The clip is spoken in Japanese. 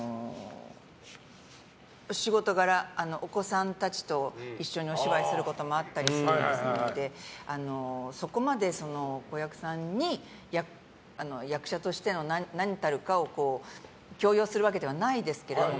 仕事柄、お子さんたちと一緒にお芝居することもあったりしますのでそこまで子役さんに役者としての何たるかを強要するわけではないですけれども。